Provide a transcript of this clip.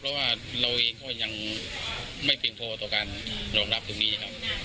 เพราะว่าเราเองก็ยังไม่เพียงพอต่อการรองรับตรงนี้ครับ